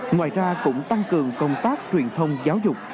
ngoài ra cũng tăng cường công tác truyền thông giáo dục